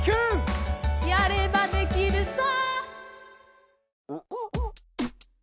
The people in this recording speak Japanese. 「やればできるさ！」